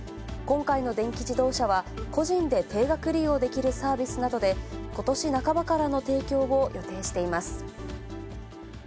今回の電気自動車は、個人で定額利用できるサービスなどで、ことし半ばからの提供を予定しています。